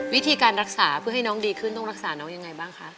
วิธีการรักษาเพื่อให้น้องดีขึ้นต้องรักษาน้องยังไงบ้างคะ